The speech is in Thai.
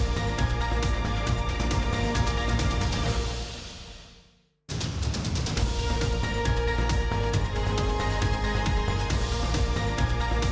สวัสดีค่ะ